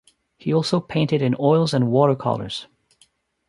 He also painted in oils and watercolors.